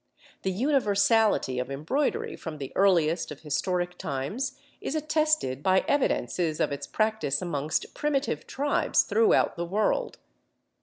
The universality of embroidery from the earliest of historic times is attested by evidences of its practice amongst primitive tribes throughout the world.